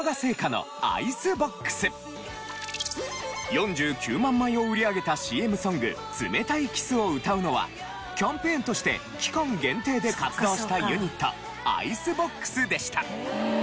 ４９万枚を売り上げたＣＭソング『冷たいキス』を歌うのはキャンペーンとして期間限定で活動したユニットＩＣＥＢＯＸでした。